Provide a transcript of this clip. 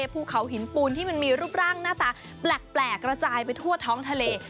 ภูเขาหินปูนที่มันมีรูปร่างหน้าตาแปลกกระจายไปทั่วท้องทะเล